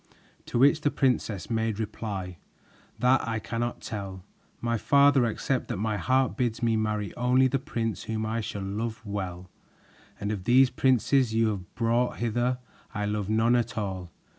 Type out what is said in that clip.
To which the princess made reply: "That I cannot tell, my father, except that my heart bids me marry only the prince whom I shall love well, and of these princes you have brought hither I love none at all.